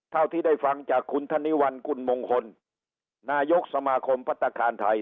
เท่าที่ได้ฟังจากคุณธนิวัลกุลมงคลนายกสมาคมพัฒนาคารไทย